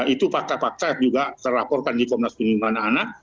itu fakta fakta juga terlaporkan di komnas perlindungan anak